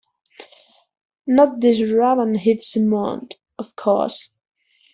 Not this Rabban he'd summoned, of course.